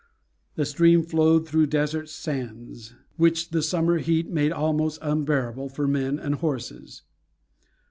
The stream flowed through desert sands, which the summer heat made almost unbearable for men and horses."